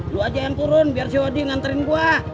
lo aja yang turun biar si wadi nganterin gue